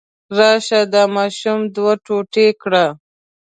راشه دا ماشوم دوه ټوټې کړه.